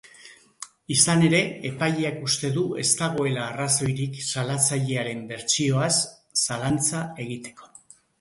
Izan ere, epaileak uste du ez dagoela arrazoirik salatzailearen bertsioaz zalantza egiteko.